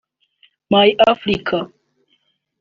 My Africa